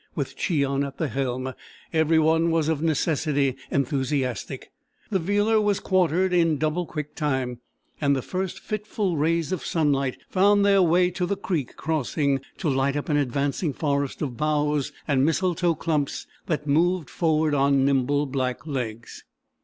With Cheon at the helm, every one was of necessity enthusiastic. The Vealer was quartered in double quick time, and the first fitful rays of sunlight found their way to the Creek crossing to light up an advancing forest of boughs and mistletoe clumps that moved forward on nimble black legs.